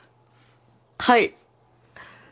はい！